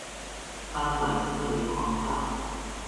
翻轉思維框架